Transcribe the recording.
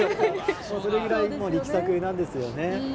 それぐらい力作なんですよね。